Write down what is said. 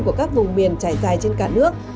của các vùng miền trải dài trên cả nước